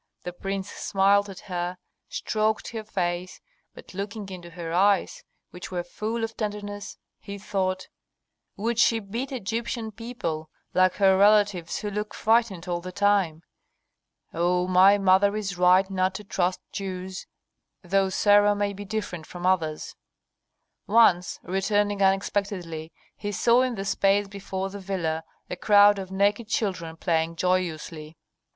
The prince smiled at her, stroked her face, but looking into her eyes, which were full of tenderness, he thought, "Would she beat Egyptian people, like her relatives who look frightened all the time? Oh, my mother is right not to trust Jews, though Sarah may be different from others." Once, returning unexpectedly, he saw in the space before the villa a crowd of naked children playing joyously.